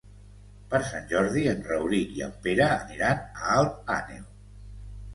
Per Sant Jordi en Rauric i en Pere aniran a Alt Àneu.